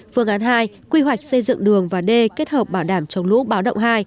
phương án hai quy hoạch xây dựng đường và d kết hợp bảo đảm chống lũ báo động hai